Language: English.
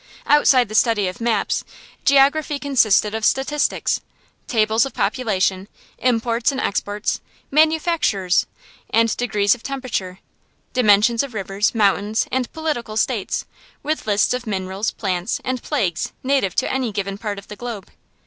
Outside the study of maps, geography consisted of statistics: tables of population, imports and exports, manufactures, and degrees of temperature; dimensions of rivers, mountains, and political states; with lists of minerals, plants, and plagues native to any given part of the globe.